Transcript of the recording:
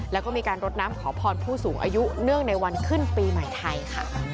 แล้วก็มีการรดน้ำขอพรผู้สูงอายุเนื่องในวันขึ้นปีใหม่ไทยค่ะ